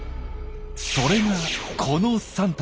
それがこの３体。